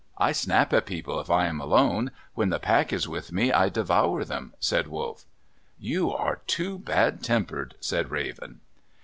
"I snap at people if I am alone. When the pack is with me, I devour them," said Wolf. "You are too bad tempered," said Raven.